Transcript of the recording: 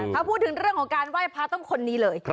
ถ้าพูดถึงเรื่องของการไหว้พระต้องคนนี้เลย